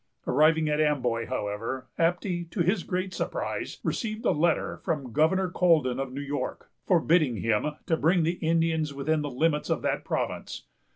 Arriving at Amboy, however, Apty, to his great surprise, received a letter from Governor Colden of New York, forbidding him to bring the Indians within the limits of that province.